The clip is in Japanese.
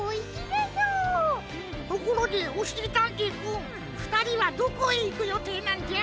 ところでおしりたんていくんふたりはどこへいくよていなんじゃ？